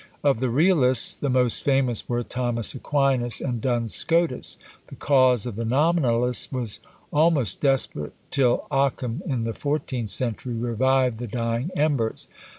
Of the Realists the most famous were Thomas Aquinas and Duns Scotus. The cause of the Nominalists was almost desperate, till Occam in the fourteenth century revived the dying embers.